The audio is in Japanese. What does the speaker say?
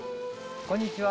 こんにちは。